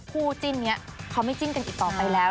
คู่จิ้นนี้เขาไม่จิ้นกันอีกต่อไปแล้ว